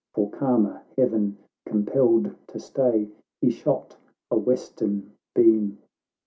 595 (For calmer heaven compelled to stay) He shot a western beam.